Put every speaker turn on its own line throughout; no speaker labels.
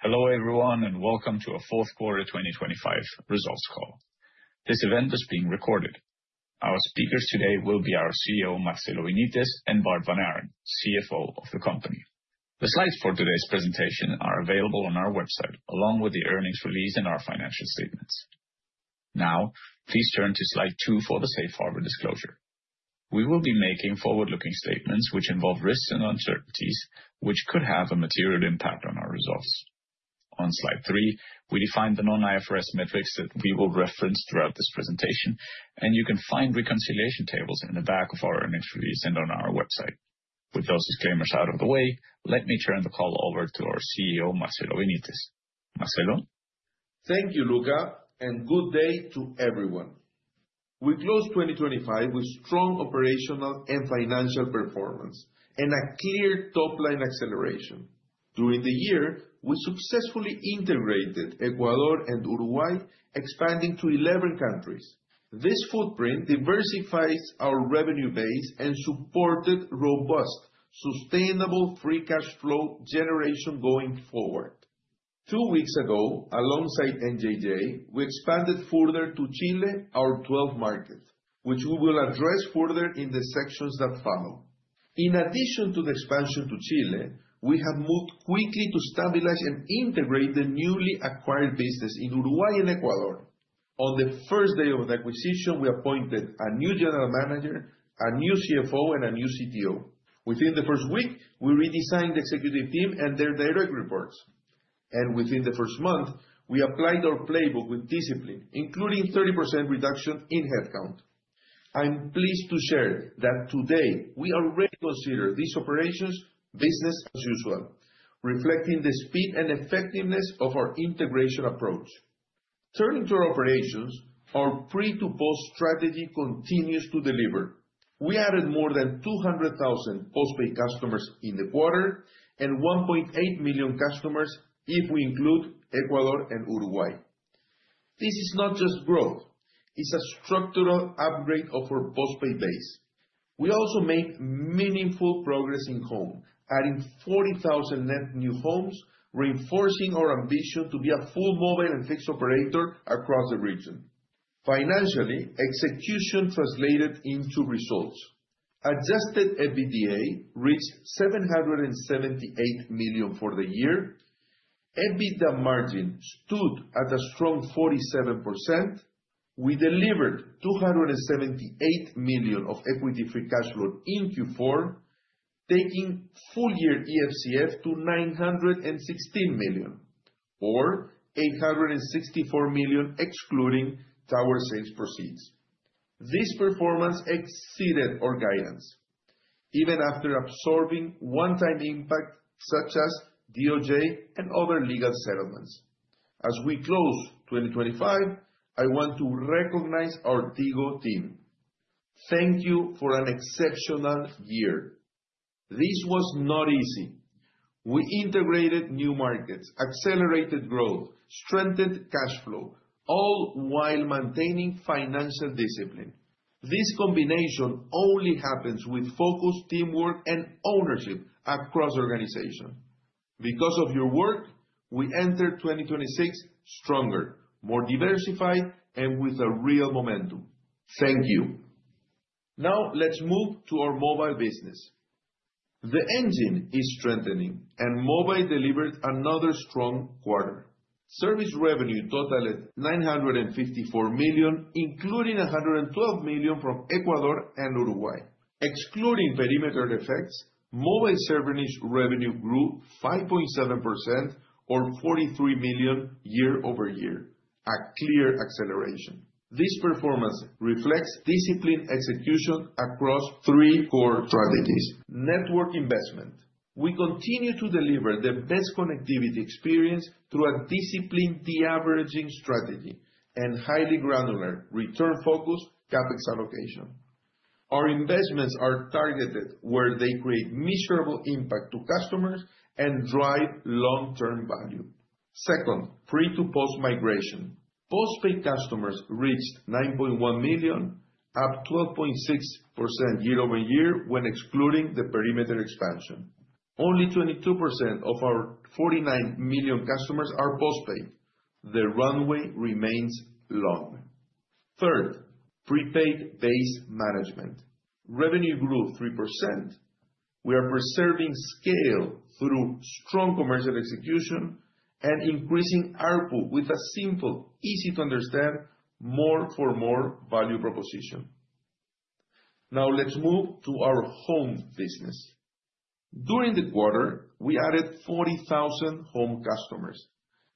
Hello, everyone, and welcome to our Q4 2025 results call. This event is being recorded. Our speakers today will be our CEO, Marcelo Benitez, and Bart Vanhaeren, CFO of the company. The slides for today's presentation are available on our website, along with the earnings release and our financial statements. Now, please turn to slide 2 for the safe harbor disclosure. We will be making forward-looking statements which involve risks and uncertainties, which could have a material impact on our results. On slide 3, we define the non-IFRS metrics that we will reference throughout this presentation, and you can find reconciliation tables in the back of our earnings release and on our website. With those disclaimers out of the way, let me turn the call over to our CEO, Marcelo Benitez. Marcelo?
Thank you, Luca, good day to everyone. We closed 2025 with strong operational and financial performance and a clear top-line acceleration. During the year, we successfully integrated Ecuador and Uruguay, expanding to 11 countries. This footprint diversifies our revenue base and supported robust, sustainable, free cash flow generation going forward. Two weeks ago, alongside NJJ, we expanded further to Chile, our twelfth market, which we will address further in the sections that follow. In addition to the expansion to Chile, we have moved quickly to stabilize and integrate the newly acquired business in Uruguay and Ecuador. On the first day of the acquisition, we appointed a new general manager, a new CFO, and a new CTO. Within the first week, we redesigned the executive team and their direct reports. Within the first month, we applied our playbook with discipline, including 30% reduction in headcount. I'm pleased to share that today we already consider these operations business as usual, reflecting the speed and effectiveness of our integration approach. Turning to our operations, our Pree-to-Post strategy continues to deliver. We added more than 200,000 Postpaid customers in the quarter, and 1.8 million customers if we include Ecuador and Uruguay. This is not just growth, it's a structural upgrade of our Postpaid base. We also made meaningful progress in Home, adding 40,000 net new Homes, reinforcing our ambition to be a full mobile and fixed operator across the region. Financially, execution translated into results. Adjusted EBITDA reached $778 million for the year. EBITDA Margin stood at a strong 47%. We delivered $278 million of Equity Free Cash Flow in Q4, taking full year EFCF to $916 million, or $864 million, excluding tower sales proceeds. This performance exceeded our guidance, even after absorbing one-time impact, such as DOJ and other legal settlements. As we close 2025, I want to recognize our Tigo team. Thank you for an exceptional year. This was not easy. We integrated new markets, accelerated growth, strengthened cash flow, all while maintaining financial discipline. This combination only happens with focused teamwork and ownership across the organization. Because of your work, we enter 2026 stronger, more diversified, and with a real momentum. Thank you. Now, let's move to our mobile business. The engine is strengthening, and mobile delivered another strong quarter. Service revenue totaled $954 million, including $112 million from Ecuador and Uruguay. Excluding perimeter effects, mobile service revenue grew 5.7% or $43 million year-over-year, a clear acceleration. This performance reflects disciplined execution across three core strategies. Network investment. We continue to deliver the best connectivity experience through a disciplined de-averaging strategy and highly granular return-focused CapEx allocation. Our investments are targeted where they create measurable impact to customers and drive long-term value. Second, Pre-to-Post migration. Postpaid customers reached 9.1 million, up 12.6% year-over-year, when excluding the perimeter expansion. Only 22% of our 49 million customers are Postpaid. The runway remains long. Third, Prepaid base management. Revenue grew 3%. We are preserving scale through strong commercial execution and increasing ARPU with a simple, easy-to-understand, more for more value proposition. Let's move to our Home business. During the quarter, we added 40,000 Home customers,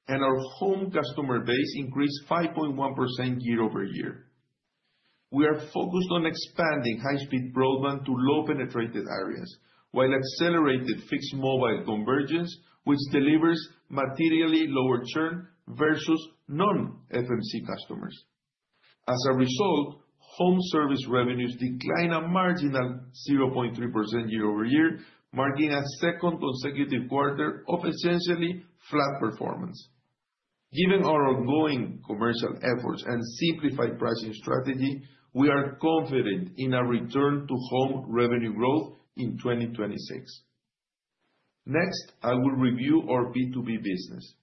and our Home customer base increased 5.1% year-over-year. We are focused on expanding high-speed broadband to low-penetrated areas, while accelerated Fixed-Mobile Convergence, which delivers materially lower churn versus non-FMC customers. As a result, Home service revenues declined a marginal 0.3% year-over-year, marking a second consecutive quarter of essentially flat performance. Given our ongoing commercial efforts and simplified pricing strategy, we are confident in our return to Home revenue growth in 2026. I will review our B2B business.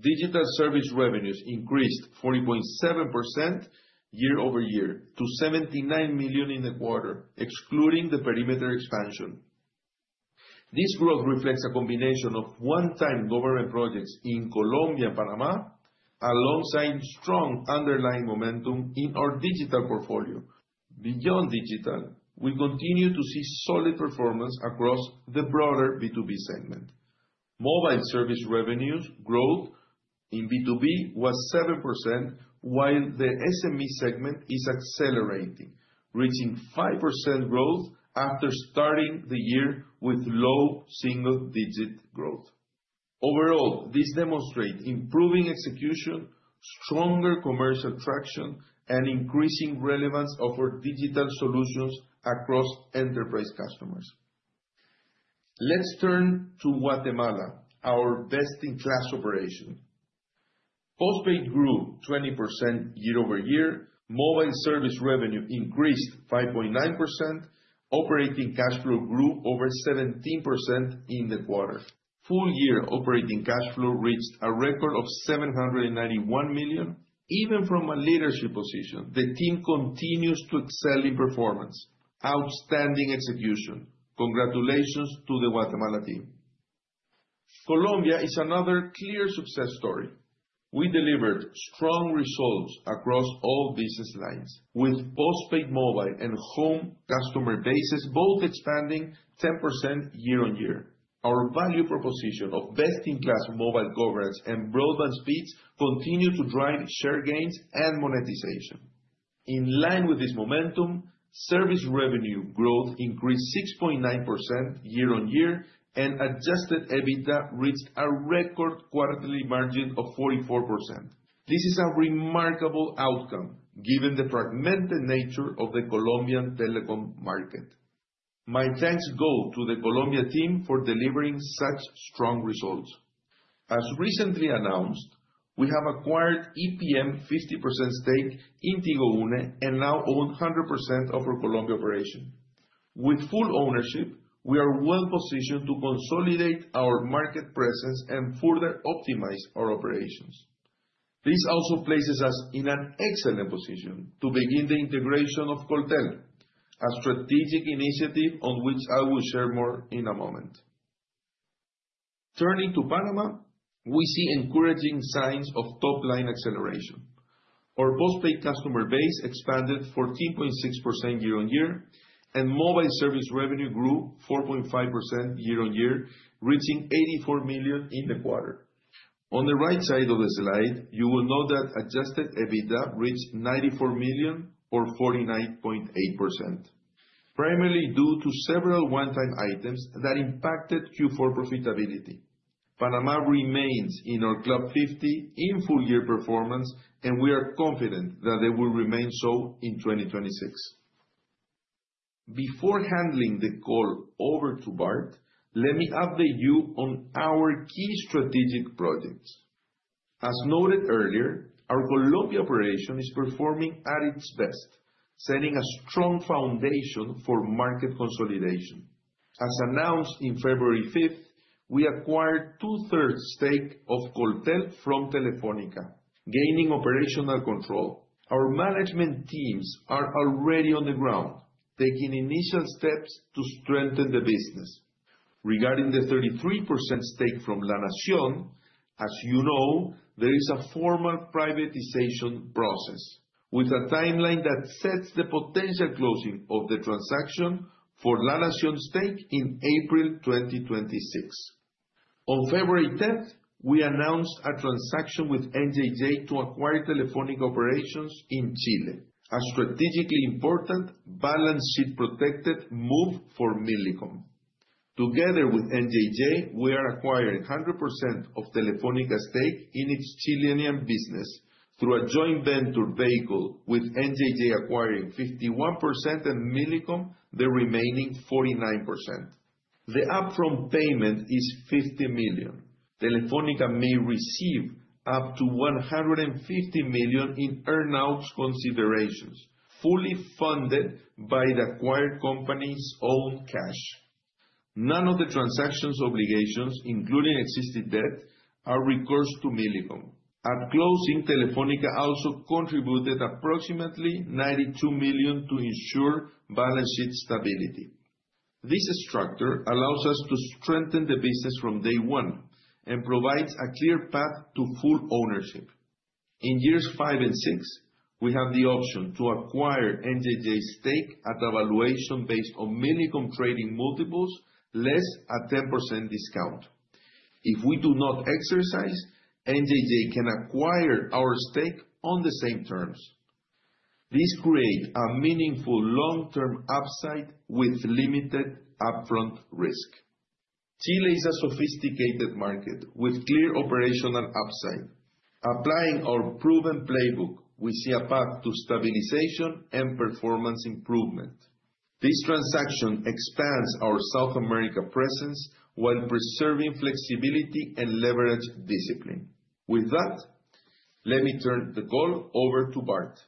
Digital Sservice Revenues increased 40.7% year-over-year to $79 million in the quarter, excluding the perimeter expansion. This growth reflects a combination of one-time government projects in Colombia and Panama, alongside strong underlying momentum in our digital portfolio. Beyond digital, we continue to see solid performance across the broader B2B segment. Mobile service revenues growth in B2B was 7%, while the SME segment is accelerating, reaching 5% growth after starting the year with low single-digit growth. This demonstrate improving execution, stronger commercial traction, and increasing relevance of our digital solutions across enterprise customers. Let's turn to Guatemala, our best-in-class operation. Postpaid grew 20% year-over-year. Mobile service revenue increased 5.9%. Operating cash flow grew over 17% in the quarter. Full year operating cash flow reached a record of $791 million. Even from a leadership position, the team continues to excel in performance. Outstanding execution. Congratulations to the Guatemala team. Colombia is another clear success story. We delivered strong results across all business lines, with Postpaid mobile and Home customer bases both expanding 10% year-over-year. Our value proposition of best-in-class mobile coverage and broadband speeds continue to drive share gains and monetization. In line with this momentum, service revenue growth increased 6.9% year-over-year, Adjusted EBITDA reached a record quarterly margin of 44%. This is a remarkable outcome, given the fragmented nature of the Colombian telecom market. My thanks go to the Colombia team for delivering such strong results. As recently announced, we have acquired EPM 50% stake in Tigo Une, now own 100% of our Colombia operation. With full ownership, we are well positioned to consolidate our market presence and further optimize our operations. This also places us in an excellent position to begin the integration of Coltel, a strategic initiative on which I will share more in a moment. Turning to Panama, we see encouraging signs of top-line acceleration. Our Postpaid customer base expanded 14.6% year-over-year, and mobile service revenue grew 4.5% year-over-year, reaching $84 million in the quarter. On the right side of the slide, you will note that Adjusted EBITDA reached $94 million or 49.8%, primarily due to several one-time items that impacted Q4 profitability. Panama remains in our Club Fifty in full year performance, and we are confident that they will remain so in 2026. Before handling the call over to Bart, let me update you on our key strategic projects. As noted earlier, our Colombia operation is performing at its best, setting a strong foundation for market consolidation. As announced in February 5th, we acquired two-thirds stake of Coltel from Telefónica, gaining operational control. Our management teams are already on the ground, taking initial steps to strengthen the business. Regarding the 33% stake from La Nación, as you know, there is a formal privatization process with a timeline that sets the potential closing of the transaction for La Nación's stake in April 2026. On February 10th, we announced a transaction with NJJ to acquire Telefónica operations in Chile, a strategically important balance sheet-protected move for Millicom. Together with NJJ, we are acquiring 100% of Telefónica's stake in its Chilean business through a joint venture vehicle, with NJJ acquiring 51% and Millicom the remaining 49%. The upfront payment is $50 million. Telefónica may receive up to $150 million in earn-out considerations, fully funded by the acquired company's own cash. None of the transaction's obligations, including existing debt, are recourse to Millicom. At closing, Telefónica also contributed approximately $92 million to ensure balance sheet stability. This structure allows us to strengthen the business from day one and provides a clear path to full ownership. In years 5 and 6, we have the option to acquire NJJ's stake at a valuation based on Millicom trading multiples, less a 10% discount. If we do not exercise, NJJ can acquire our stake on the same terms. This creates a meaningful long-term upside with limited upfront risk. Chile is a sophisticated market with clear operational upside. Applying our proven playbook, we see a path to stabilization and performance improvement.... This transaction expands our South America presence while preserving flexibility and leverage discipline. With that, let me turn the call over to Bart.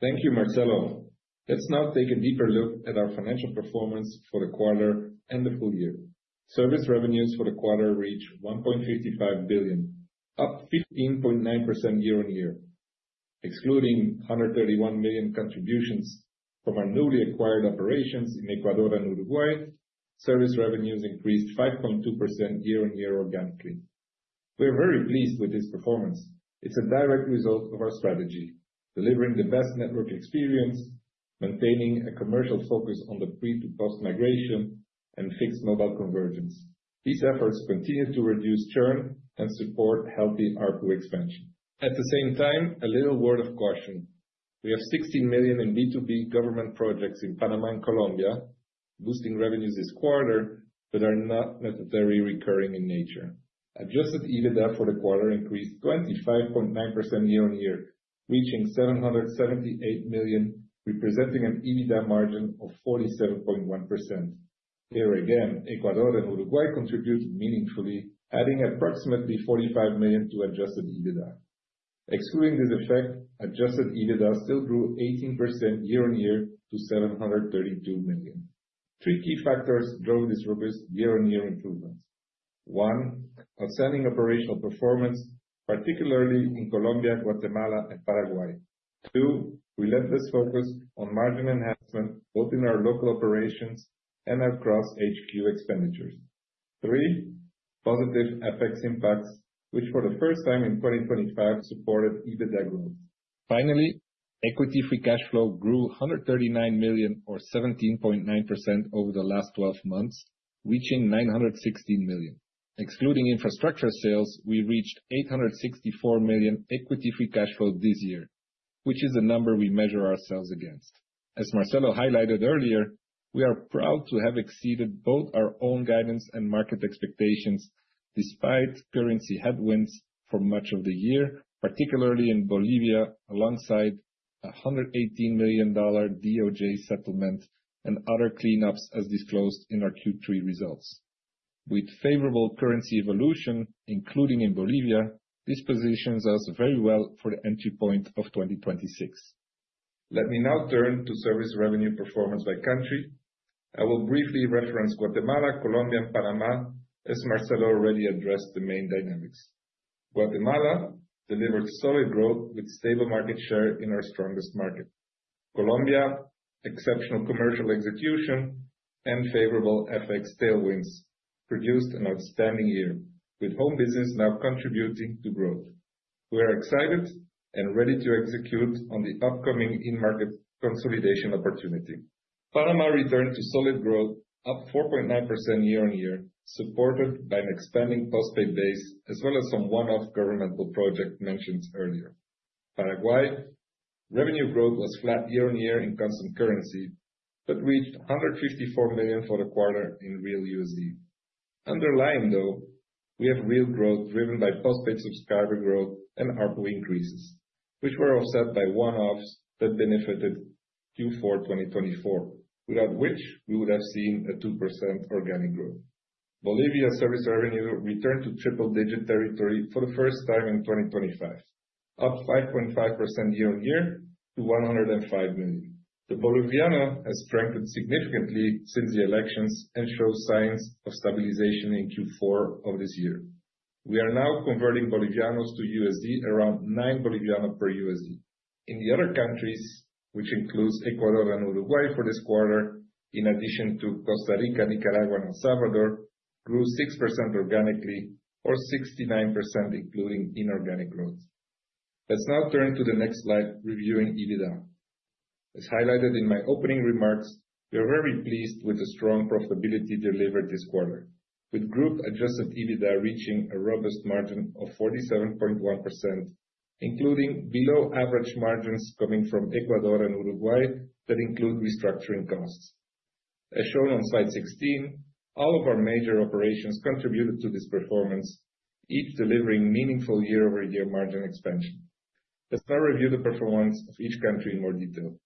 Thank you, Marcelo. Let's now take a deeper look at our financial performance for the quarter and the full year. Service revenues for the quarter reached $1.55 billion, up 15.9% year-on-year. Excluding $131 million contributions from our newly acquired operations in Ecuador and Uruguay, service revenues increased 5.2% year-on-year organically. We are very pleased with this performance. It's a direct result of our strategy, delivering the best network experience, maintaining a commercial focus on the Prepaid to Postpaid migration, and Fixed-Mmobile Convergence. These efforts continue to reduce churn and support healthy ARPU expansion. At the same time, a little word of caution. We have $16 million in B2B government projects in Panama and Colombia, boosting revenues this quarter, but are not necessarily recurring in nature. Adjusted EBITDA for the quarter increased 25.9% year-on-year, reaching $778 million, representing an EBITDA Margin of 47.1%. Here again, Ecuador and Uruguay contributed meaningfully, adding approximately $45 million to Adjusted EBITDA. Excluding this effect, Adjusted EBITDA still grew 18% year-on-year to $732 million. Three key factors drove this robust year-on-year improvements: 1, outstanding operational performance, particularly in Colombia, Guatemala, and Paraguay. 2, relentless focus on margin enhancement, both in our local operations and across HQ expenditures. 3, positive FX impacts, which for the first time in 2025, supported EBITDA growth. Finally, Equity Free Cash Flow grew $139 million or 17.9% over the last 12 months, reaching $916 million. Excluding infrastructure sales, we reached $864 million Equity Free Cash Flow this year, which is a number we measure ourselves against. As Marcelo highlighted earlier, we are proud to have exceeded both our own guidance and market expectations, despite currency headwinds for much of the year, particularly in Bolivia, alongside a $118 million DOJ settlement and other cleanups, as disclosed in our Q3 results. With favorable currency evolution, including in Bolivia, this positions us very well for the entry point of 2026. Let me now turn to service revenue performance by country. I will briefly reference Guatemala, Colombia, and Panama, as Marcelo already addressed the main dynamics. Guatemala delivered solid growth with stable market share in our strongest market. Colombia, exceptional commercial execution and favorable FX tailwinds produced an outstanding year, with Home business now contributing to growth. We are excited and ready to execute on the upcoming in-market consolidation opportunity. Panama returned to solid growth, up 4.9% year-over-year, supported by an expanding postpaid base, as well as some one-off governmental project mentioned earlier. Paraguay, revenue growth was flat year-over-year in constant currency, but reached $154 million for the quarter in real USD. Underlying, though, we have real growth driven by postpaid subscriber growth and ARPU increases, which were offset by one-offs that benefited Q4 2024, without which we would have seen a 2% Organic Growth. Bolivia service revenue returned to triple digit territory for the first time in 2025, up 5.5% year-over-year to $105 million. The Boliviano has strengthened significantly since the elections and shows signs of stabilization in Q4 of this year. We are now converting Bolivianos to USD around 9 Boliviano per USD. In the other countries, which includes Ecuador and Uruguay for this quarter, in addition to Costa Rica, Nicaragua, and El Salvador, grew 6% organically or 69%, including in Organic Growth. Let's now turn to the next slide, reviewing EBITDA. As highlighted in my opening remarks, we are very pleased with the strong profitability delivered this quarter, with group Adjusted EBITDA reaching a robust margin of 47.1%, including below average margins coming from Ecuador and Uruguay, that include restructuring costs. As shown on slide 16, all of our major operations contributed to this performance, each delivering meaningful year-over-year margin expansion. Let's now review the performance of each country in more detail.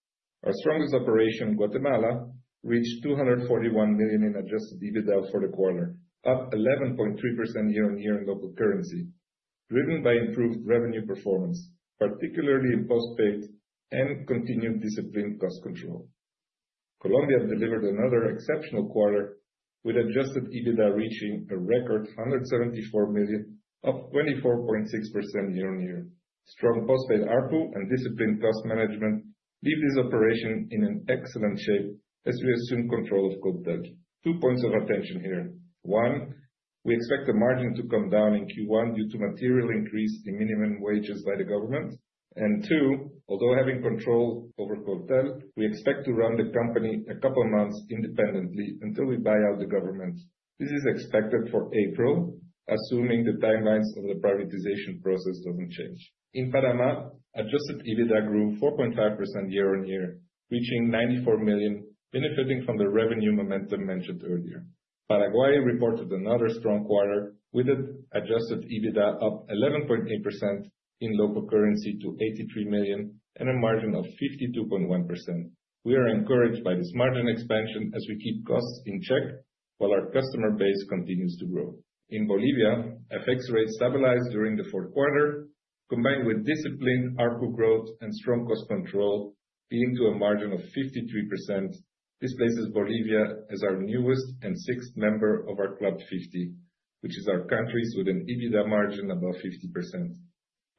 Our strongest operation, Guatemala, reached $241 million in Adjusted EBITDA for the quarter, up 11.3% year-on-year in local currency, driven by improved revenue performance, particularly in Postpaid and continued disciplined cost control. Colombia delivered another exceptional quarter, with Adjusted EBITDA reaching a record $174 million, up 24.6% year-on-year. Strong Postpaid ARPU and disciplined cost management leave this operation in an excellent shape as we assume control of Coltel. Two points of attention here. One, we expect the margin to come down in Q1 due to material increase in minimum wages by the government. Two, although having control over Coltel, we expect to run the company a couple of months independently until we buy out the government. This is expected for April, assuming the timelines of the privatization process doesn't change. In Panama, Adjusted EBITDA grew 4.5% year-on-year, reaching $94 million, benefiting from the revenue momentum mentioned earlier. Paraguay reported another strong quarter, with an Adjusted EBITDA up 11.8% in local currency to $83 million and a margin of 52.1%. We are encouraged by this margin expansion as we keep costs in check while our customer base continues to grow. In Bolivia, FX rates stabilized during the Q4, combined with disciplined ARPU growth and strong cost control, leading to a margin of 53%. This places Bolivia as our newest and 6th member of our Club Fifty, which is our countries with an EBITDA Margin above 50%.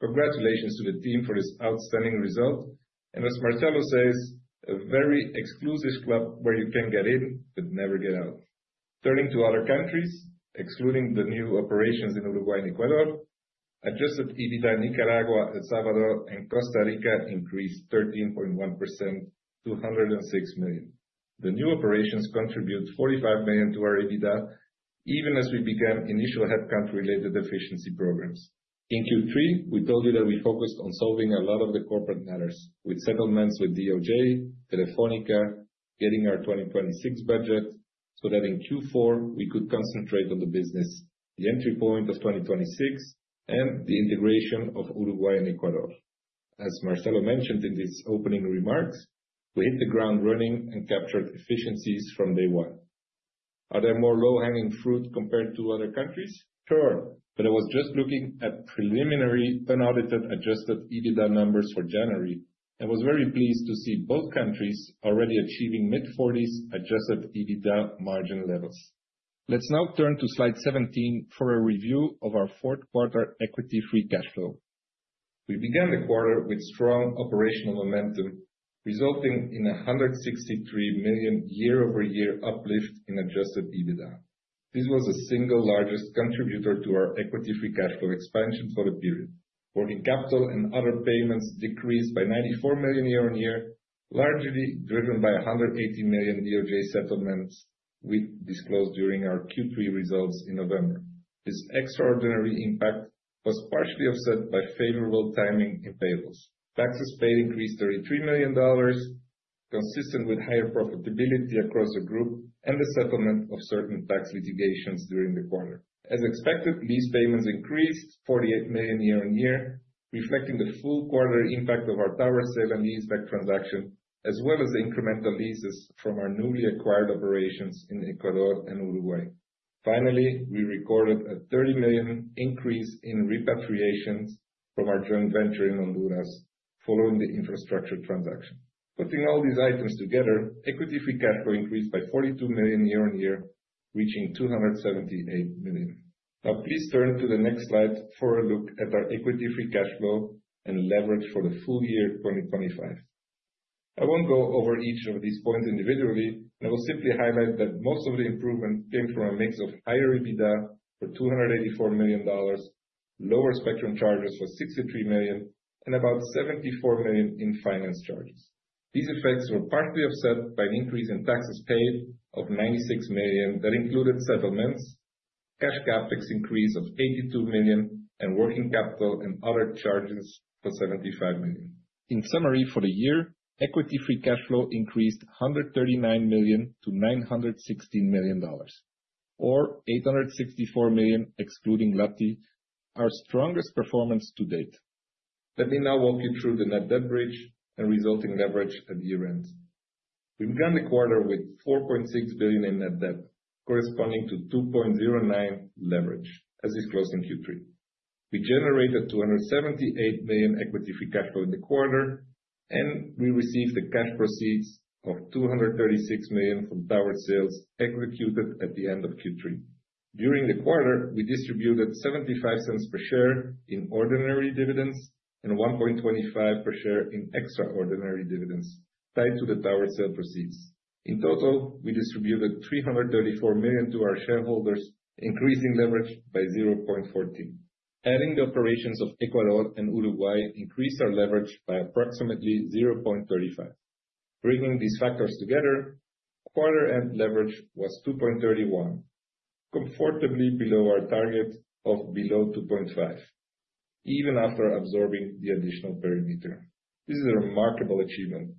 Congratulations to the team for this outstanding result, and as Marcelo says, a very exclusive club where you can get in, but never get out. Turning to other countries, excluding the new operations in Uruguay and Ecuador, Adjusted EBITDA in Nicaragua, El Salvador, and Costa Rica increased 13.1% to $106 million. The new operations contribute $45 million to our EBITDA, even as we began initial headcount-related efficiency programs. In Q3, we told you that we focused on solving a lot of the corporate matters, with settlements with DOJ, Telefónica, getting our 2026 budget, so that in Q4, we could concentrate on the business, the entry point of 2026, and the integration of Uruguay and Ecuador. As Marcelo mentioned in his opening remarks, we hit the ground running and captured efficiencies from day one. Are there more low-hanging fruit compared to other countries? Sure, I was just looking at preliminary, unaudited, Adjusted EBITDA numbers for January, and was very pleased to see both countries already achieving mid-40s Adjusted EBITDA Margin levels. Let's now turn to slide 17 for a review of our Q4 Equity Free Cash Flow. We began the quarter with strong operational momentum, resulting in a $163 million year-over-year uplift in Adjusted EBITDA. This was the single largest contributor to our Equity Free Cash Flow expansion for the period. Working capital and other payments decreased by $94 million year-on-year, largely driven by a $180 million DOJ settlements we disclosed during our Q3 results in November. This extraordinary impact was partially offset by favorable timing in payables. Taxes paid increased $33 million, consistent with higher profitability across the group and the settlement of certain tax litigations during the quarter. As expected, lease payments increased $48 million year-on-year, reflecting the full quarter impact of our tower sale and leaseback transaction, as well as the incremental leases from our newly acquired operations in Ecuador and Uruguay. We recorded a $30 million increase in repatriations from our joint venture in Honduras following the infrastructure transaction. Putting all these items together, Equity Free Cash Flow increased by $42 million year-on-year, reaching $278 million. Please turn to the next slide for a look at our Equity Free Cash Flow and leverage for the full year 2025. I won't go over each of these points individually. I will simply highlight that most of the improvement came from a mix of higher EBITDA for $284 million, lower spectrum charges for $63 million, and about $74 million in finance charges. These effects were partly offset by an increase in taxes paid of $96 million that included settlements, cash CapEx increase of $82 million, and working capital and other charges for $75 million. In summary, for the year, Equity Free Cash Flow increased $139 million to $916 million, or $864 million, excluding LPTI, our strongest performance to date. Let me now walk you through the net debt bridge and resulting leverage at year-end. We began the quarter with $4.6 billion in net debt, corresponding to 2.09 leverage, as is close in Q3. We generated $278 million Equity Free Cash Flow in the quarter, we received the cash proceeds of $236 million from tower sales executed at the end of Q3. During the quarter, we distributed $0.75 per share in ordinary dividends and $1.25 per share in extraordinary dividends tied to the tower sale proceeds. In total, we distributed $334 million to our shareholders, increasing leverage by 0.14. Adding the operations of Ecuador and Uruguay increased our leverage by approximately 0.35. Bringing these factors together, quarter-end leverage was 2.31, comfortably below our target of below 2.5, even after absorbing the additional perimeter. This is a remarkable achievement.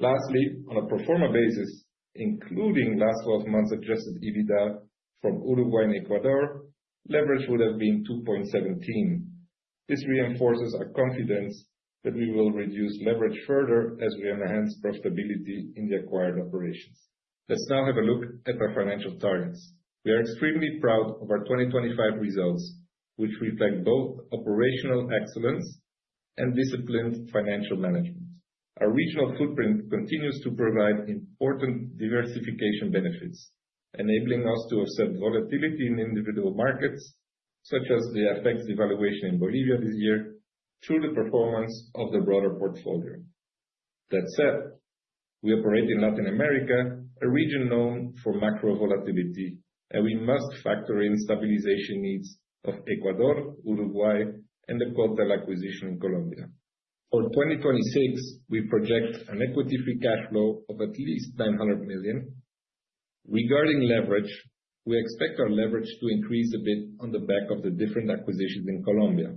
Lastly, on a pro forma basis, including last twelve months Adjusted EBITDA from Uruguay and Ecuador, leverage would have been 2.17. This reinforces our confidence that we will reduce leverage further as we enhance profitability in the acquired operations. Let's now have a look at our financial targets. We are extremely proud of our 2025 results, which reflect both operational excellence and disciplined financial management. Our regional footprint continues to provide important diversification benefits, enabling us to offset volatility in individual markets, such as the FX devaluation in Bolivia this year, through the performance of the broader portfolio. Said, we operate in Latin America, a region known for macro volatility, and we must factor in stabilization needs of Ecuador, Uruguay, and the Coltel acquisition in Colombia. For 2026, we project an Equity Free Cash Flow of at least $900 million. Regarding leverage, we expect our leverage to increase a bit on the back of the different acquisitions in Colombia.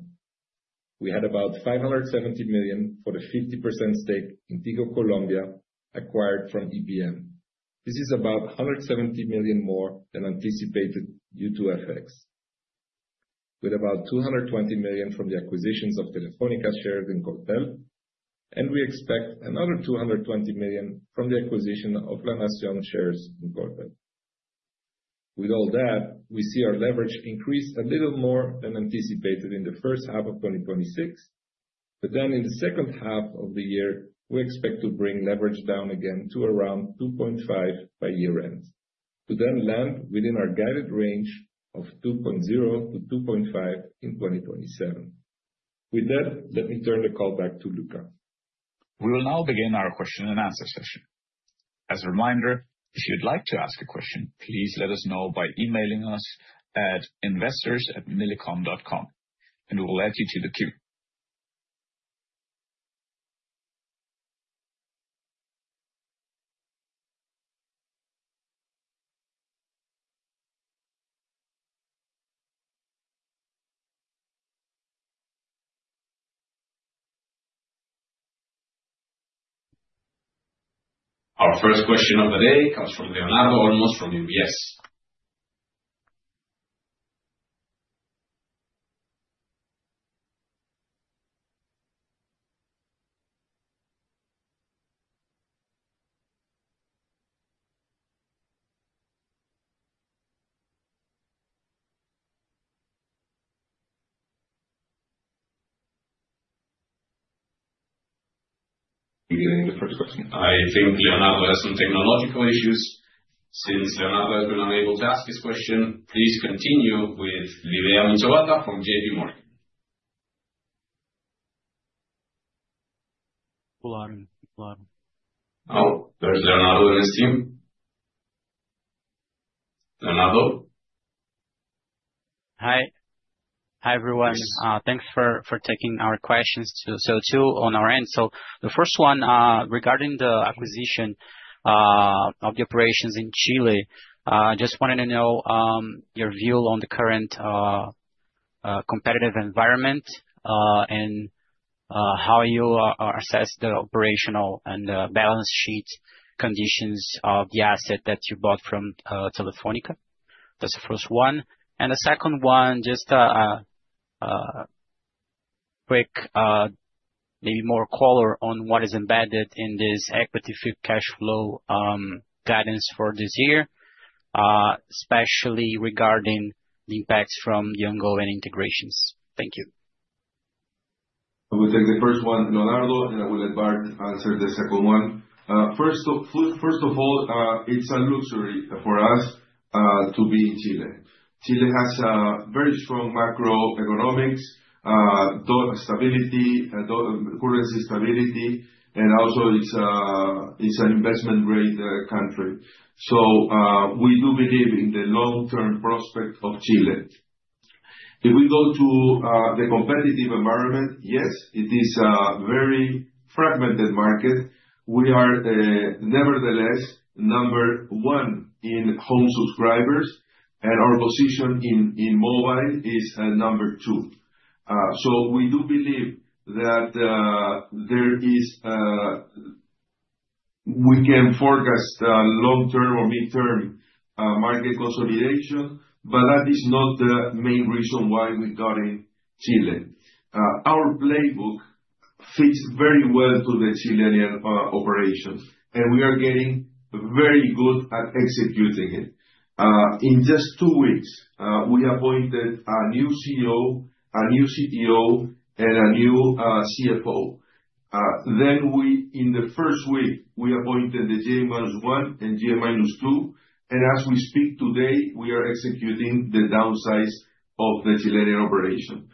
We had about $570 million for the 50% stake in Tigo Colombia, acquired from EPM. This is about $170 million more than anticipated due to FX, with about $220 million from the acquisitions of Telefónica shares in Coltel. We expect another $220 million from the acquisition of La Nación shares in Coltel. With all that, we see our leverage increase a little more than anticipated in the first half of 2026. In the second half of the year, we expect to bring leverage down again to around 2.5 by year-end, to then land within our guided range of 2.0-2.5 in 2027. With that, let me turn the call back to Luca.
We will now begin our question and answer session. As a reminder, if you'd like to ask a question, please let us know by emailing us at investors@millicom.com. We will add you to the queue. Our first question of the day comes from Leonardo Olmos, from UBS.
Can you hear me the first question?
I think Leonardo has some technological issues. Since Leonardo has been unable to ask his question, please continue with Livia De Luca from J.P. Morgan.
Hello? Hello.
Oh, there's Leonardo and his team. Leonardo?
Hi, everyone. Thanks for taking our questions. 2 on our end. The first one, regarding the acquisition of the operations in Chile, just wanted to know your view on the current competitive environment and how you assess the operational and the balance sheet conditions of the asset that you bought from Telefónica. That's the first one. The second one, just a quick maybe more color on what is embedded in this Equity Free Cash Flow guidance for this year, especially regarding the impacts from ongoing integrations. Thank you.
I will take the first one, Leonardo, and I will let Bart answer the second one. First of all, it's a luxury for us to be in Chile. Chile has a very strong macroeconomics, dollar stability, currency stability, and also it's an investment-grade country. We do believe in the long-term prospect of Chile. If we go to the competitive environment, yes, it is a very fragmented market. We are, nevertheless, number one in Home subscribers, and our position in mobile is number two. We do believe that we can forecast long-term or mid-term market consolidation, that is not the main reason why we got in Chile. Our playbook fits very well to the Chilean operations, and we are getting very good at executing it. In just two weeks, we appointed a new CEO, a new CTO, and a new CFO. We, in the first week, appointed the GM minus one and GM minus two, and as we speak today, we are executing the downsize of the Chilean operation.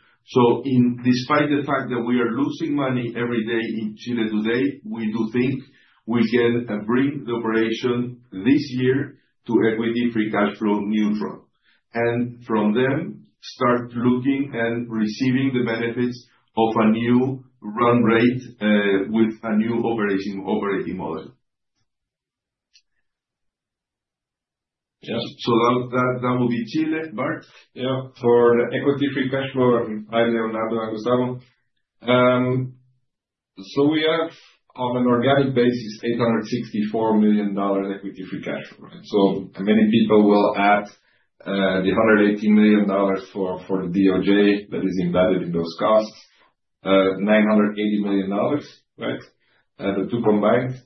Despite the fact that we are losing money every day in Chile today, we do think we can bring the operation this year to Equity Free Cash Flow neutral. From there, start looking and receiving the benefits of a new run rate, with a new operating model. That will be Chile. Bart?
Yeah, for Equity Free Cash Flow. Hi, Leonardo, how you doing? We have, on an organic basis, $864 million in Equity Free Cash Flow, right? Many people will add $180 million for the DOJ that is embedded in those costs. $980 million, right? The two combined.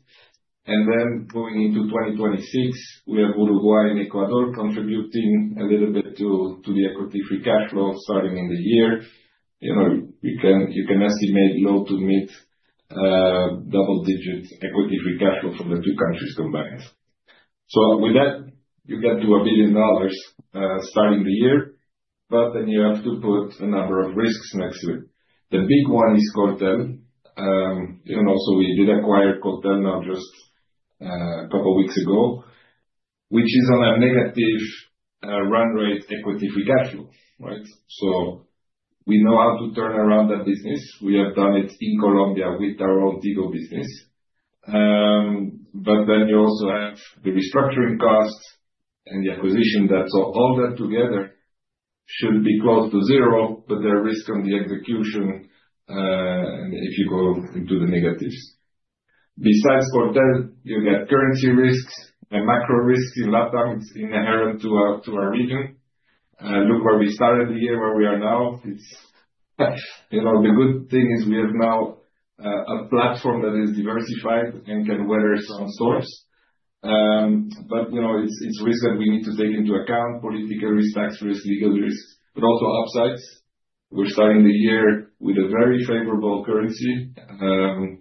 Going into 2026, we have Uruguay and Ecuador contributing a little bit to the Equity Free Cash Flow starting in the year. You know, you can estimate low to mid double-digits Equity Free Cash Flow from the two countries combined. With that, you get to $1 billion starting the year, but then you have to put a number of risks next to it. The big one is Coltel. You know, we did acquire Coltel now just, a couple weeks ago, which is on a negative, run rate Equity Free Cash Flow, right? We know how to turn around that business. We have done it in Colombia with our own Tigo business. You also have the restructuring costs and the acquisition debt. All that together should be close to 0, but there are risks on the execution if you go into the negatives. Besides Coltel, you get currency risks and macro risks in Latam, it's inherent to our, to our region. Look where we started the year, where we are now. It's, you know, the good thing is we have now a platform that is diversified and can weather some storms. You know, it's a risk that we need to take into account political risks, tax risk, legal risks, but also upsides. We're starting the year with a very favorable currency.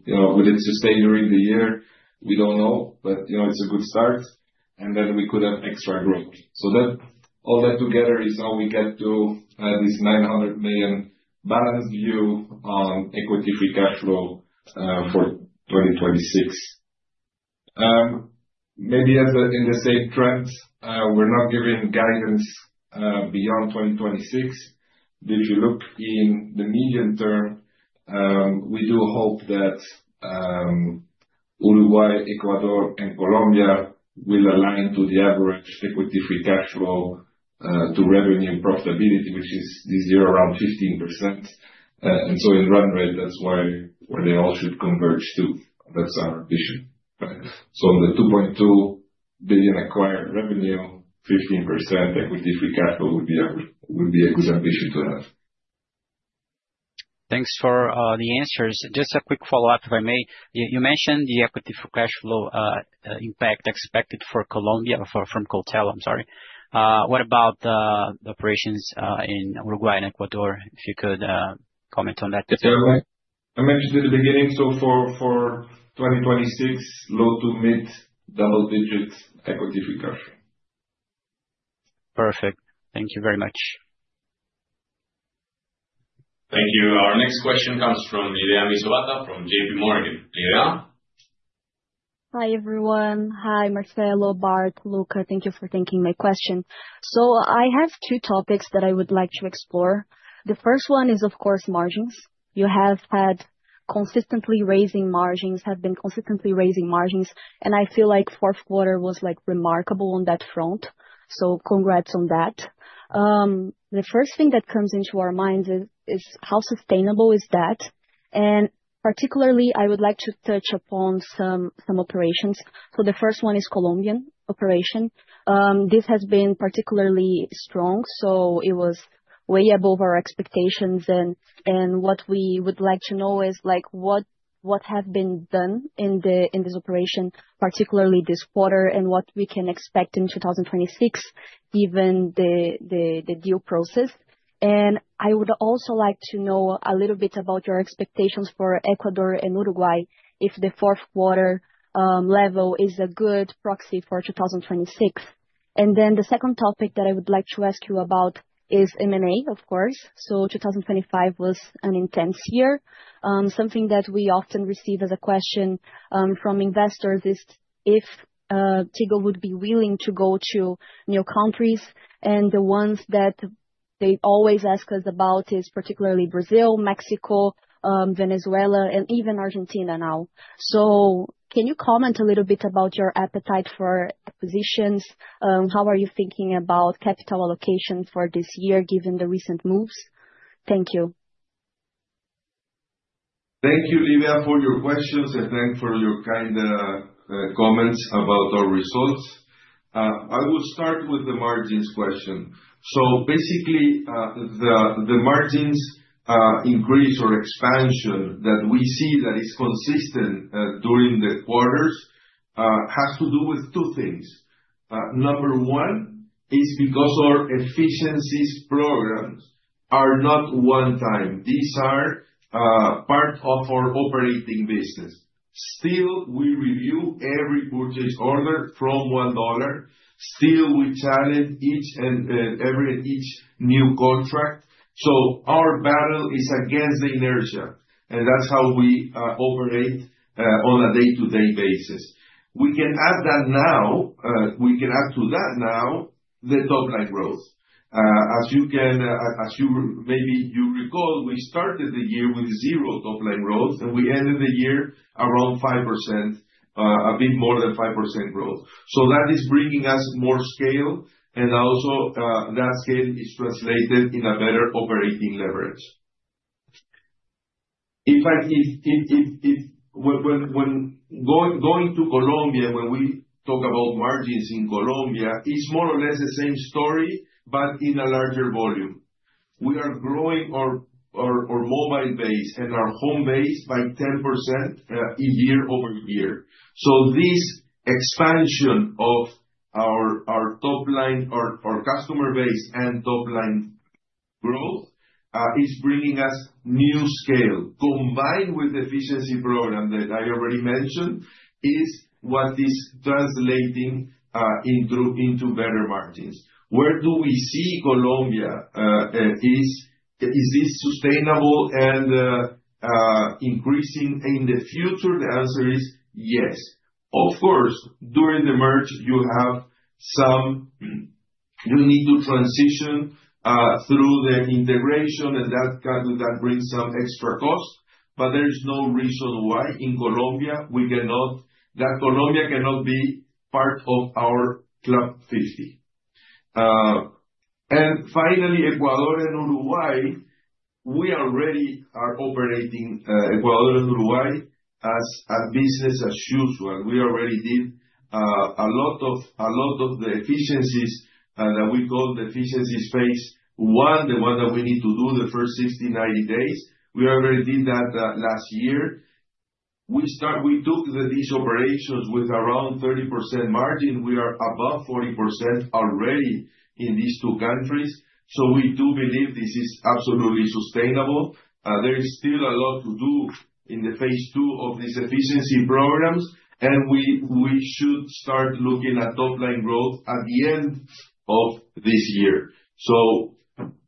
You know, will it sustain during the year? We don't know, but, you know, it's a good start, and then we could have extra growth. All that together is how we get to this $900 million balance view on Equity Free Cash Flow for 2026. Maybe in the same trend, we're not giving guidance beyond 2026. If you look in the medium term, we do hope that Uruguay, Ecuador and Colombia will align to the average Equity Free Cash Flow to revenue and profitability, which is this year around 15%. In run rate, that's why, where they all should converge to. That's our vision. On the $2.2 billion acquired revenue, 15% Equity Free Cash Flow would be a good ambition to have.
Thanks for the answers. Just a quick follow-up, if I may. You mentioned the equity for cash flow impact expected for Colombia, from Coltel, I'm sorry. What about the operations in Uruguay and Ecuador? If you could comment on that as well.
I mentioned at the beginning, for 2026, low to mid double digits Equity Free Cash Flow.
Perfect. Thank you very much.
Thank you. Our next question comes from Livia De Luca, from J.P. Morgan. Livia?
Hi, everyone. Hi, Marcelo, Bart, Luca. Thank you for taking my question. I have 2 topics that I would like to explore. The first one is, of course, margins. You have been consistently raising margins, and I feel like Q4 was, like, remarkable on that front. Congrats on that. The first thing that comes into our minds is how sustainable is that? Particularly, I would like to touch upon some operations. The first one is Colombian operation. This has been particularly strong, so it was way above our expectations, and what we would like to know is, like, what have been done in this operation, particularly this quarter, and what we can expect in 2026, given the deal process. I would also like to know a little bit about your expectations for Ecuador and Uruguay, if the Q4 level is a good proxy for 2026. The second topic that I would like to ask you about is M&A, of course. 2025 was an intense year. Something that we often receive as a question from investors is if Tigo would be willing to go to new countries, and the ones that they always ask us about is particularly Brazil, Mexico, Venezuela, and even Argentina now. Can you comment a little bit about your appetite for acquisitions? How are you thinking about capital allocation for this year, given the recent moves? Thank you.
Thank you, Livia, for your questions, and thank for your kind comments about our results. I will start with the margins question. Basically, the margins increase or expansion that we see that is consistent during the quarters has to do with 2 things. Number 1 is because our efficiencies programs are not one time. These are part of our operating business. We review every purchase order from $1. We challenge each and every new contract. Our battle is against the inertia, and that's how we operate on a day-to-day basis. We can add that now, we can add to that now, the top-line growth. As you can, as you maybe you recall, we started the year with 0% top-line growth, and we ended the year around 5%, a bit more than 5% growth. That is bringing us more scale, and also, that scale is translated in a better operating leverage. In fact, when going to Colombia, when we talk about margins in Colombia, it's more or less the same story, but in a larger volume. We are growing our mobile base and our Home base by 10% year-over-year. This expansion of our top line, our customer base and top line growth, is bringing us new scale, combined with efficiency program that I already mentioned, is what is translating into better margins. Where do we see Colombia? Is this sustainable and increasing in the future? The answer is yes. Of course, during the merge, you have some. We need to transition through the integration, and that brings some extra costs, but there is no reason why in Colombia we cannot, that Colombia cannot be part of our Club Fifty. Finally, Ecuador and Uruguay, we already are operating Ecuador and Uruguay as business as usual. We already did a lot of the efficiencies that we call the efficiency phase I, the one that we need to do the first 60, 90 days. We already did that last year. We took these operations with around 30% margin. We are above 40% already in these two countries, so we do believe this is absolutely sustainable. There is still a lot to do in the phase II of these efficiency programs. We should start looking at top-line growth at the end of this year.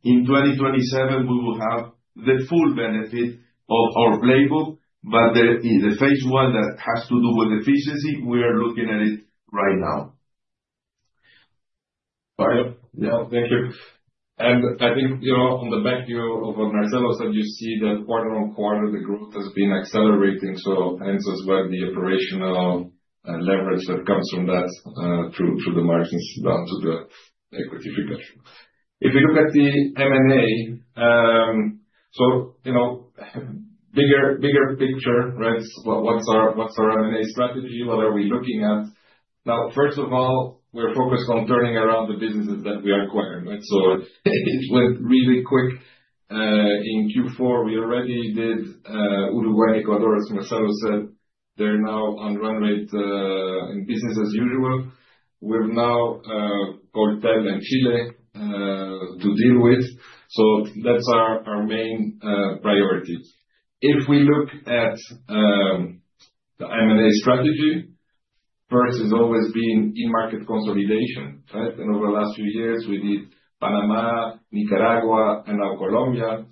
In 2027, we will have the full benefit of our playbook. The phase I that has to do with efficiency, we are looking at it right now. Bart?
Thank you. I think, you know, on the back view of Marcelo said, you see that quarter-over-quarter, the growth has been accelerating, hence as well, the operational leverage that comes from that through the margins down to the equity figure. If you look at the M&A, you know, bigger picture, right? What's our M&A strategy? What are we looking at? First of all, we are focused on turning around the businesses that we acquired, right? It went really quick. In Q4, we already did Uruguay, Ecuador, as Marcelo said, they're now on run rate and business as usual. We've now got Chile to deal with. That's our main priority. If we look at the M&A strategy, first has always been in-market consolidation, right? Over the last few years, we did Panama, Nicaragua, and now Colombia.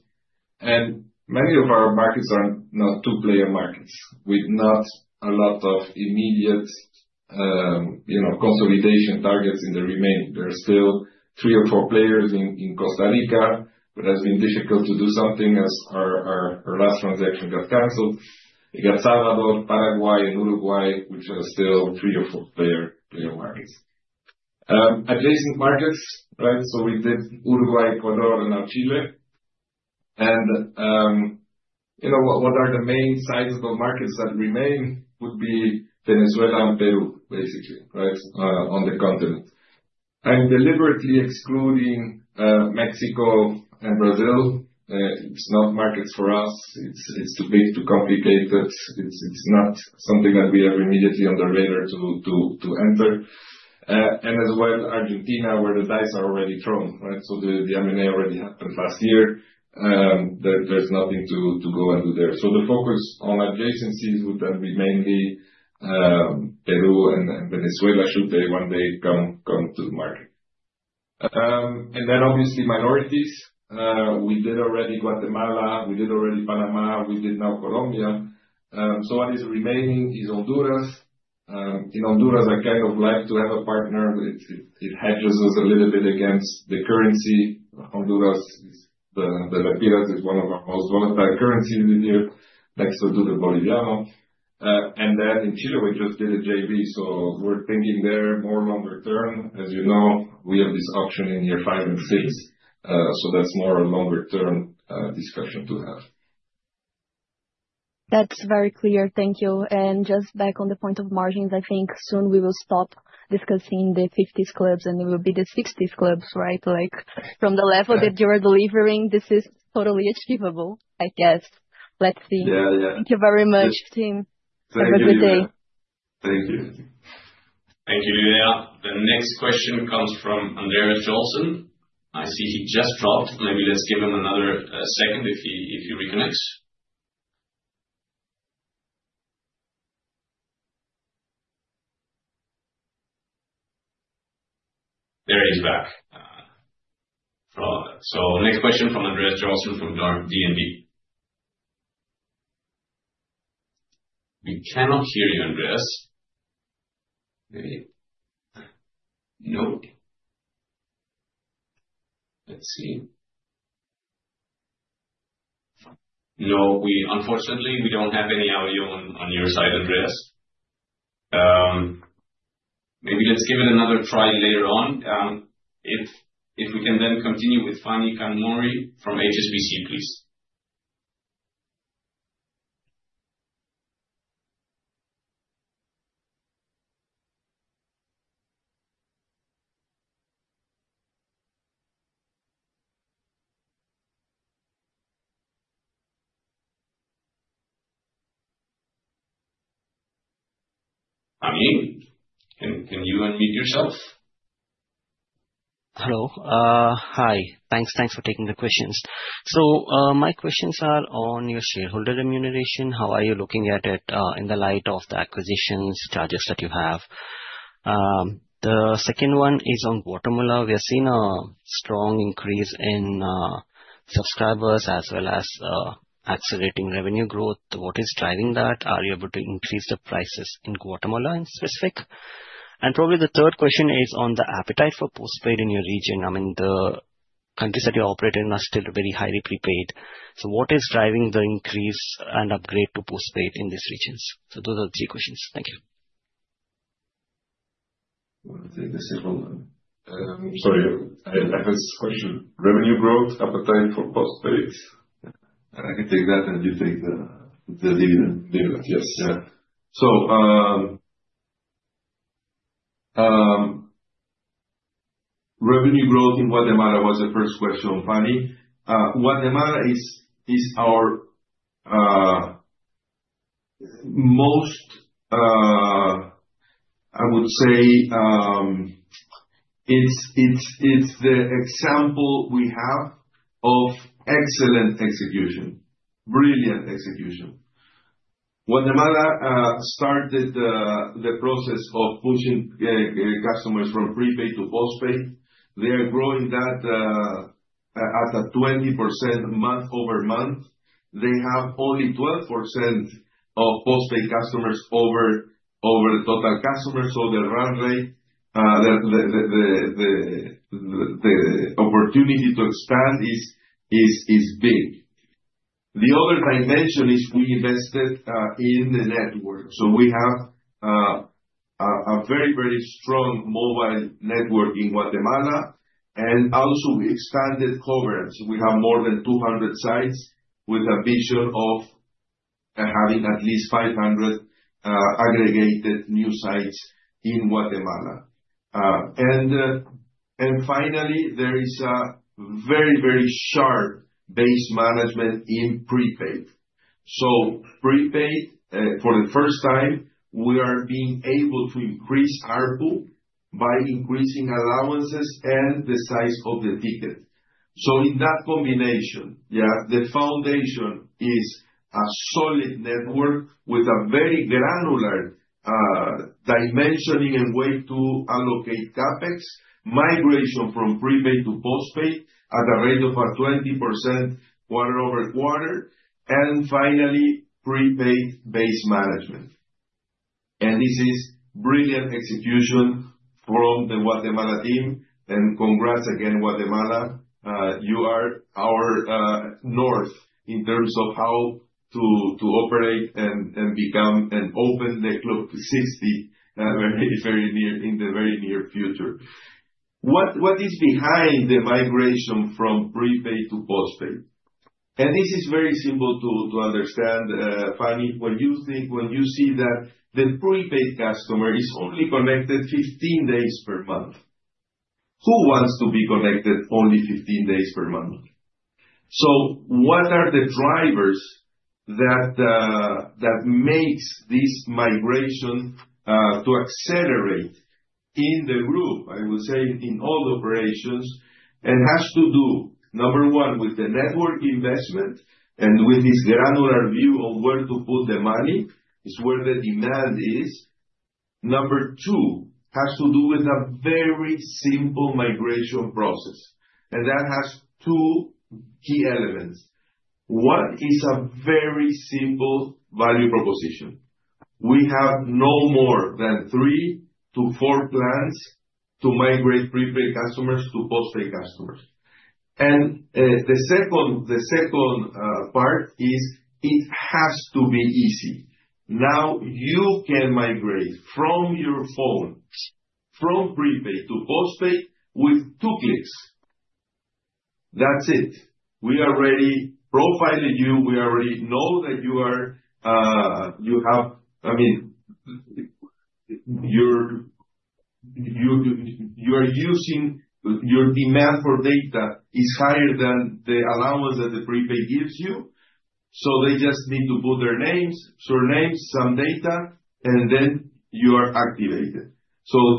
Many of our markets are not 2-player markets, with not a lot of immediate, you know, consolidation targets in the remaining. There are still 3 or 4 players in Costa Rica, but has been difficult to do something as our last transaction got canceled. You got Salvador, Paraguay, and Uruguay, which are still 3 or 4 player markets. Adjacent markets, right? We did Uruguay, Ecuador, and now Chile. What are the main sizable markets that remain would be Venezuela and Peru, basically, right, on the continent. I'm deliberately excluding Mexico and Brazil. It's not markets for us. It's too big, too complicated. It's not something that we have immediately on the radar to enter. And as well, Argentina, where the dice are already thrown, right? The M&A already happened last year. There's nothing to go and do there. The focus on adjacencies would be mainly Peru and Venezuela, should they one day come to the market. And then obviously minorities. We did already Guatemala, we did already Panama, we did now Colombia. What is remaining is Honduras. In Honduras, I kind of like to have a partner. It hedges us a little bit against the currency. Honduras is the Lempiras is one of our most volatile currency in the year, next to the Boliviano. And then in Chile, we just did a JV, we're thinking there more longer term. As you know, we have this option in year five and six, so that's more a longer-term discussion to have.
That's very clear. Thank you. Just back on the point of margins, I think soon we will stop discussing the Fifties Clubs, and it will be the Sixties Clubs, right? Like, from the level that you are delivering, this is totally achievable, I guess. Let's see.
Yeah, yeah.
Thank you very much, team.
Thank you.
Have a good day.
Thank you.
Thank you, Livia. The next question comes from Andreas Johnson. I see he just dropped. Maybe let's give him another second, if he reconnects. There he is back. Next question from Andreas Johnsen from DNB. We cannot hear you, Andreas. Maybe. No. Let's see. No, unfortunately, we don't have any audio on your side, Andreas. Maybe let's give it another try later on. If we can then continue with Phani Kanumuri from HSBC, please. Phani, can you unmute yourself?
Hello. Hi. Thanks for taking the questions. My questions are on your shareholder remuneration. How are you looking at it in the light of the acquisitions charges that you have? The second one is on Guatemala. We have seen a strong increase in subscribers as well as accelerating revenue growth. What is driving that? Are you able to increase the prices in Guatemala in specific? Probably the third question is on the appetite for Postpaid in your region. I mean,... countries that you operate in are still very highly Prepaid. What is driving the increase and upgrade to Postpaid in these regions? Those are the three questions. Thank you.
You want to take this one?
Sorry, I have this question. Revenue growth, appetite for Postpaid.
I can take that, and you take the dividend.
Dividend, yes.
Revenue growth in Guatemala was the first question, Phani. Guatemala is our most, I would say, it's the example we have of excellent execution, brilliant execution. Guatemala started the process of pushing customers from Prepaid to Postpaid. They are growing that at a 20% month-over-month. They have only 12% of Postpaid customers over the total customers, so the runway, the opportunity to expand is big. The other dimension is we invested in the network. We have a very, very strong mobile network in Guatemala, and also we expanded coverage. We have more than 200 sites with a vision of having at least 500 aggregated new sites in Guatemala. Finally, there is a very, very sharp base management in Prepaid. Prepaid, for the first time, we are being able to increase ARPU by increasing allowances and the size of the ticket. In that combination, yeah, the foundation is a solid network with a very granular dimensioning and way to allocate CapEx, migration from Prepaid to Postpaid at a rate of 20% quarter-over-quarter, and finally, Prepaid base management. This is brilliant execution from the Guatemala team. Congrats again, Guatemala. You are our north in terms of how to operate and become an open network in 60, in the very near future. What is behind the migration from Prepaid to Postpaid? This is very simple to understand, Phani, when you see that the Prepaid customer is only connected 15 days per month. Who wants to be connected only 15 days per month? What are the drivers that makes this migration to accelerate in the group, I would say, in all operations, and has to do, number 1, with the network investment and with this granular view of where to put the money, is where the demand is. Number 2, has to do with a very simple migration process. That has two key elements. One is a very simple value proposition. We have no more than 3-4 plans to migrate Prepaid customers to Postpaid customers. The second part is it has to be easy. You can migrate from your phone, from Prepaid to Postpaid with 2 clicks. That's it. We already profiled you. We already know that you are, I mean, you're using your demand for data is higher than the allowance that the Prepaid gives you. They just need to put their names, surnames, some data, and then you are activated.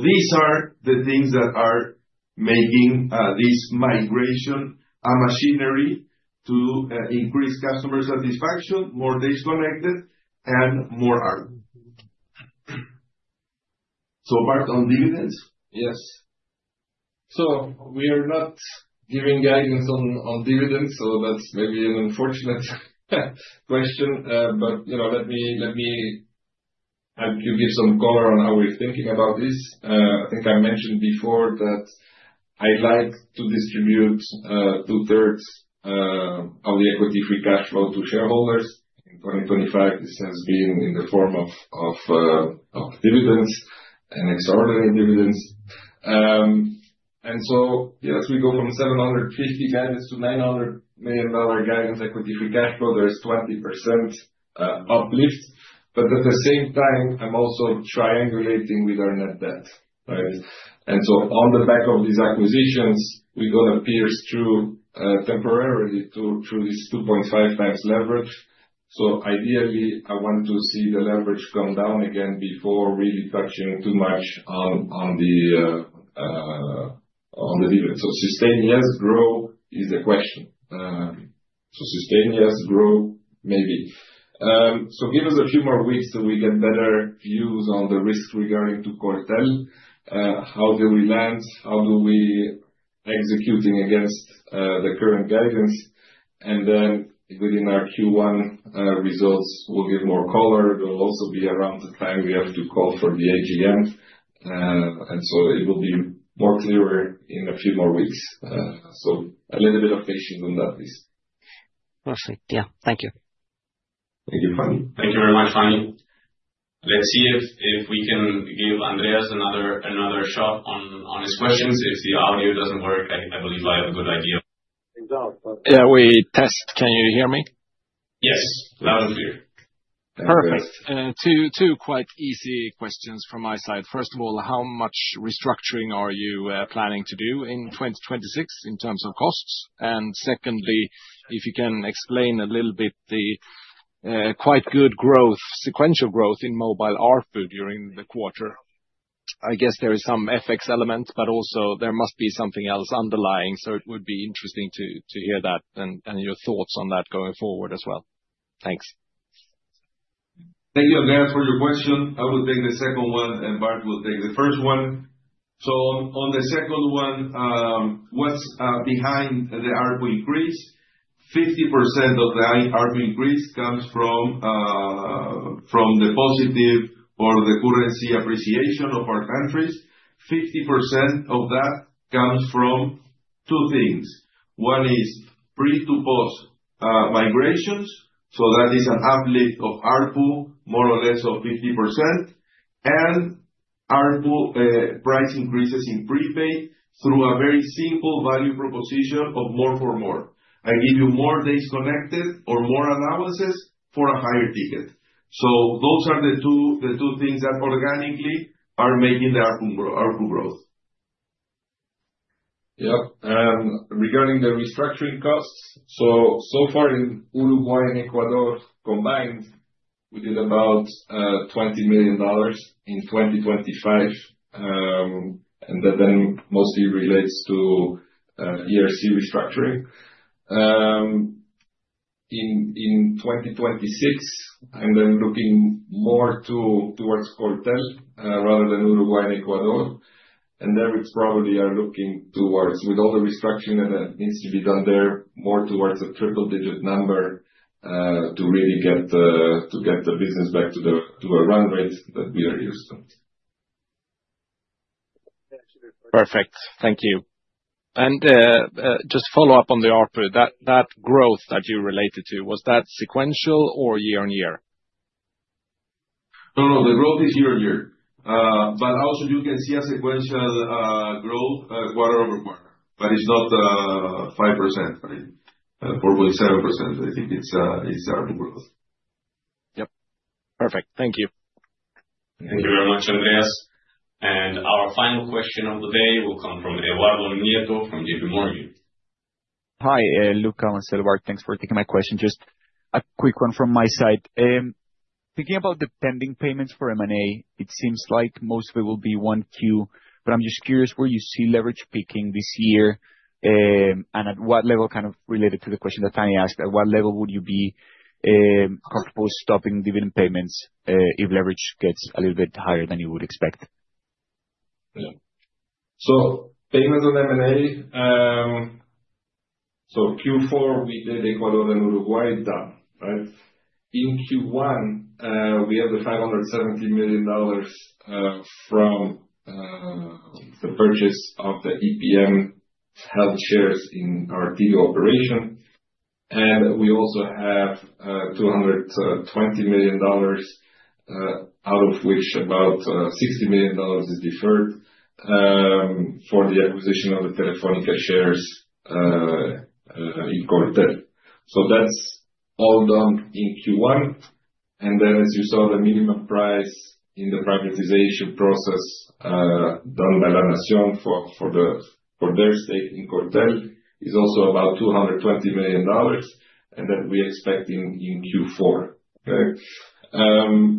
These are the things that are making this migration a machinery to increase customer satisfaction, more days connected, and more ARPU. Marc, on dividends?
Yes. We are not giving guidance on dividends, so that's maybe an unfortunate question. You know, let me, let me help you give some color on how we're thinking about this. I think I mentioned before that I'd like to distribute two-thirds of the Equity Free Cash Flow to shareholders. In 2025, this has been in the form of dividends and extraordinary dividends. Yes, we go from $750 million to $900 million guidance, Equity Free Cash Flow. There's 20% uplift. At the same time, I'm also triangulating with our net debt, right? On the back of these acquisitions, we're gonna pierce through temporarily through this 2.5 times leverage. Ideally, I want to see the leverage come down again before really touching too much on the dividend. Sustainless grow is a question. Sustainless grow, maybe. Give us a few more weeks, so we get better views on the risk regarding to Coltel. How do we land? How do we executing against the current guidance? Within our Q1 results, we'll give more color. It will also be around the time we have to call for the AGM. It will be more clearer in a few more weeks. A little bit of patience on that, please.
Perfect. Yeah. Thank you.
Thank you, Phani.
Thank you very much, Phani. Let's see if we can give Andreas another shot on his questions. If the audio doesn't work, I believe I have a good idea.
Yeah, we test. Can you hear me?
Yes. Loud and clear.
Perfect. 2 quite easy questions from my side. First of all, how much restructuring are you planning to do in 2026 in terms of costs? Secondly, if you can explain a little bit the quite good growth, sequential growth in mobile ARPU during the quarter. I guess there is some FX element, but also there must be something else underlying, so it would be interesting to hear that and your thoughts on that going forward as well. Thanks.
Thank you, Andreas, for your question. I will take the second one, and Bart will take the first one. On the second one, what's behind the ARPU increase? 50% of the ARPU increase comes from the positive or the currency appreciation of our countries. 50% of that comes from two things: One is Prepaid to Postpaid migrations, so that is a uplift of ARPU, more or less of 50%, and ARPU price increases in Prepaid through a very simple value proposition of more for more. I give you more days connected or more analysis for a higher ticket. Those are the two things that organically are making the ARPU growth. Yep.
Regarding the restructuring costs, so far in Uruguay and Ecuador combined, we did about $20 million in 2025, that mostly relates to ERC restructuring. In 2026, I'm looking more towards Coltel, rather than Uruguay and Ecuador. There, it's probably are looking towards, with all the restructuring that needs to be done there, more towards a triple digit number, to really get the business back to a run rate that we are used to.
Perfect. Thank you. Just follow up on the ARPU. That growth that you related to, was that sequential or year-on-year?
No, no, the growth is year-on-year. Also you can see a sequential growth, quarter-over-quarter, but it's not 5%, right? Probably 7%, I think it's ARPU growth.
Yep. Perfect. Thank you.
Thank you very much, Andreas. Our final question of the day will come from Eduardo Nieto Leal from J.P. Morgan.
Hi, Luca and Bart. Thanks for taking my question. Just a quick one from my side. Thinking about the pending payments for M&A, it seems like mostly will be 1Q. I'm just curious where you see leverage peaking this year, and at what level, kind of, related to the question that Phani asked, at what level would you be comfortable stopping dividend payments, if leverage gets a little bit higher than you would expect?
Yeah. Payment on M&A, Q4, we did Ecuador and Uruguay, done, right? In Q1, we have the $570 million from the purchase of the EPM health shares in our deal operation. We also have $220 million, out of which about $60 million is deferred, for the acquisition of the Telefónica shares in Coltel. That's all done in Q1. As you saw, the minimum price in the privatization process, done by La Nación for the, for their stake in Coltel, is also about $220 million, and that we're expecting in Q4. Okay?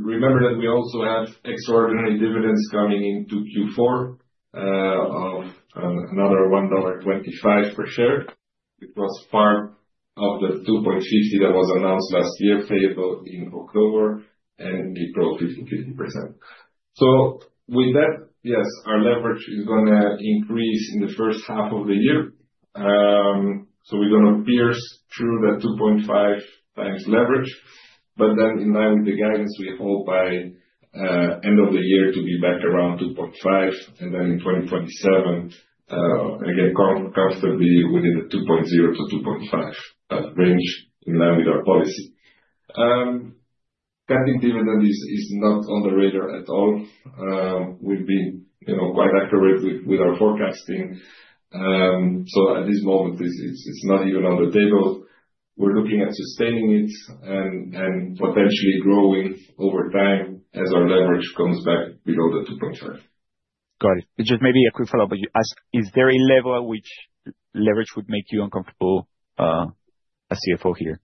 Remember that we also have extraordinary dividends coming into Q4, of another $1.25 per share. It was part of the 2.50 that was announced last year, payable in October, and we grew 50%. With that, yes, our leverage is gonna increase in the first half of the year. We're gonna pierce through the 2.5 times leverage, but then in line with the guidance, we hope by end of the year to be back around 2.5, and then in 2027, again, constantly within the 2.0-2.5 range, in line with our policy. Cutting dividend is not on the radar at all. We've been, you know, quite accurate with our forecasting. At this moment, it's not even on the table. We're looking at sustaining it and potentially growing over time as our leverage comes back below the 2.5.
Got it. Just maybe a quick follow-up, but you asked, is there a level at which leverage would make you uncomfortable as CFO here?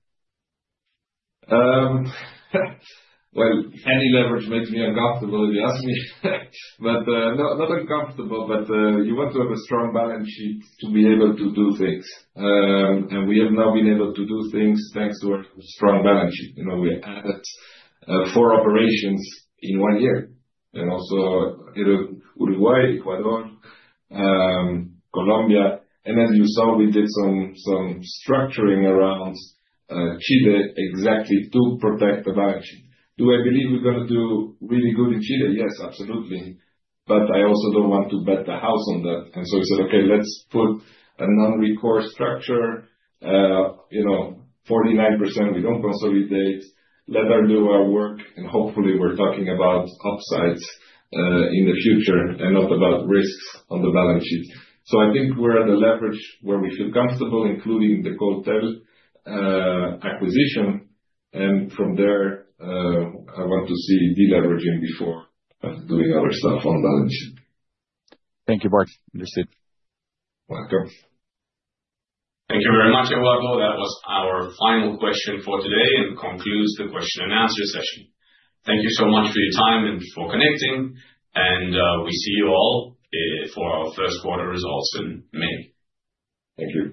Well, any leverage makes me uncomfortable, if you ask me. No, not uncomfortable, you want to have a strong balance sheet to be able to do things. We have now been able to do things thanks to our strong balance sheet. You know, we added four operations in one year, and also Uruguay, Ecuador, Colombia, and as you saw, we did some structuring around Chile, exactly to protect the balance sheet. Do I believe we're gonna do really good in Chile? Yes, absolutely. I also don't want to bet the house on that. I said, "Okay, let's put a non-recourse structure. You know, 49%, we don't consolidate. Let us do our work, and hopefully, we're talking about upsides, in the future and not about risks on the balance sheet." I think we're at a leverage where we feel comfortable, including the Coltel acquisition, and from there, I want to see deleveraging before doing other stuff on balance sheet.
Thank you, Bart. Appreciate it.
Welcome. Thank you very much, Eduardo. That was our final question for today and concludes the question and answer session. Thank you so much for your time and for connecting. We see you all for our Q1 results in May. Thank you.